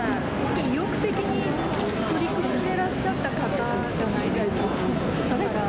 意欲的に取り組んでらっしゃった方じゃないですか。